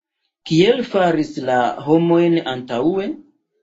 Kiel faris la homojn antaŭe?